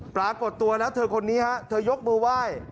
ปรากฏตัวแล้วเธอคนนี้ฮะเธอยกมือไหว้